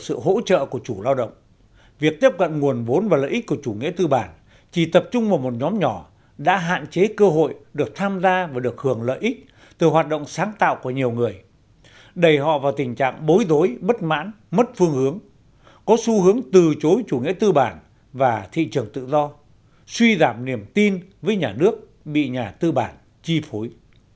để đạt được sự hỗ trợ của chủ lao động việc tiếp cận nguồn vốn và lợi ích của chủ nghĩa tư bản chỉ tập trung vào một nhóm nhỏ đã hạn chế cơ hội được tham gia và được hưởng lợi ích từ hoạt động sáng tạo của nhiều người đẩy họ vào tình trạng bối rối bất mãn mất phương hướng có xu hướng từ chối chủ nghĩa tư bản và thị trường tự do suy giảm niềm tin với nhà nước bị nhà tư bản chi phối